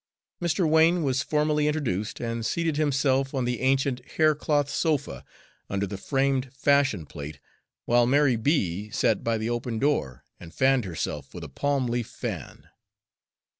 Mr. Wain was formally introduced, and seated himself on the ancient haircloth sofa, under the framed fashion plate, while Mary B. sat by the open door and fanned herself with a palm leaf fan.